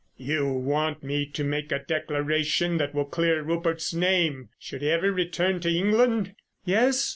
"You want me to make a declaration that will clear Rupert's name, should he ever return to England?" "Yes.